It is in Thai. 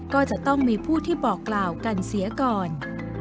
ก็จะต้องมีผู้ที่บอกกล่าวกันเสียก่อน